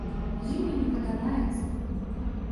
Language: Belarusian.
Ім і не падабаецца.